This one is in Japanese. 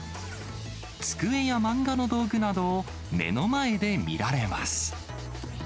机や漫画の道具などを目の前で見られます。